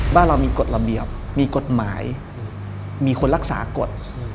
เรามีกฎระเบียบมีกฎหมายมีคนรักษากฎ